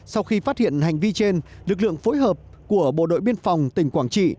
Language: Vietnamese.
sau khi phát hiện hành vi trên lực lượng phối hợp của bộ đội biên phòng tỉnh quảng trị